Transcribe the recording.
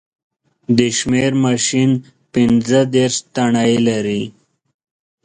د شمېر ماشین پینځه دېرش تڼۍ لري